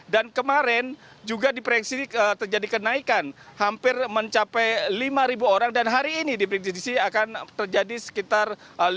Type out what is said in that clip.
dan kemarin juga di prejisi terjadi kenaikan hampir mencapai lima orang dan hari ini di prejisi akan terjadi sekitar lima